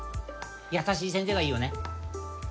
優しい先生がいいよね